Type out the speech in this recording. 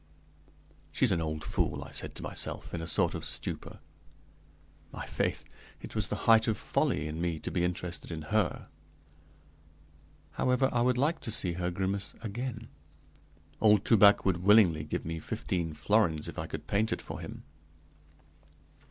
"She's an old fool!" I said to myself, in a sort of stupor. My faith, it was the height of folly in me to be interested in her! However, I would like to see her grimace again; old Toubac would willingly give me fifteen florins if I could paint it for him.